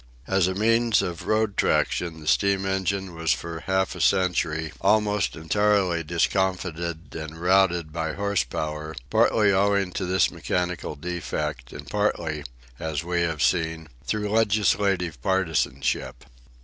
As a means of road traction the steam engine was for half a century almost entirely discomfited and routed by horse power, partly owing to this mechanical defect and partly, as we have seen, through legislative partisanship.